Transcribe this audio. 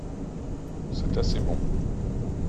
C’est assez bon.